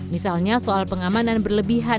misalnya soal pengamanan berlebihan